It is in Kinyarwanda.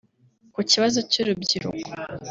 Ku kibazo cy’urubyiruko